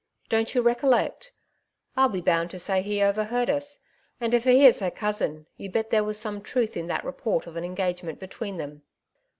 Don't yoa recollect ? I'll be bo and to say he overheard us ; and if he is her cousin, you bet there was some truth in that report of an engagement between them."